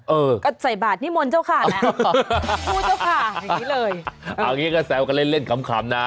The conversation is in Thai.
เออก็ใส่บาทนิมนต์เจ้าขาแล้วพูดเจ้าข่าอย่างนี้เลยเอางี้ก็แซวกันเล่นเล่นขำขำนะ